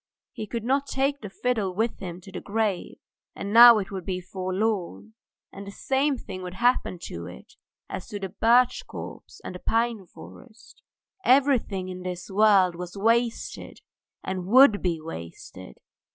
He could not take the fiddle with him to the grave, and now it would be left forlorn, and the same thing would happen to it as to the birch copse and the pine forest. Everything in this world was wasted and would be wasted!